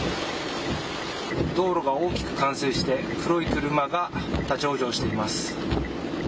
道路が大きく冠水して黒い車が立往生しています。